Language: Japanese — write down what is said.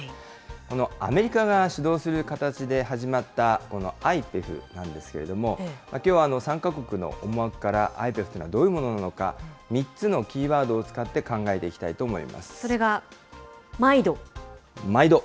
このアメリカが主導する形で始まったこのＩＰＥＦなんですけれども、きょうは参加国の思惑からＩＰＥＦというものがどういうものなのか、３つのキーワードを使っそれがまいど？